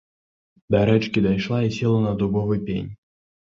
Да рэчкі дайшла і села на дубовы пень.